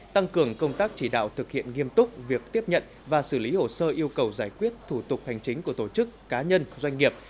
tăng cường công tác chỉ đạo thực hiện nghiêm túc việc tiếp nhận và xử lý hồ sơ yêu cầu giải quyết thủ tục hành chính của tổ chức cá nhân doanh nghiệp